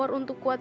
aku tidak marah